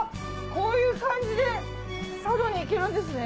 こういう感じで佐渡に行けるんですね